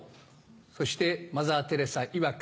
そしてマザー・テレサいわく